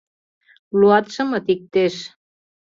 Луатшымыт иктеш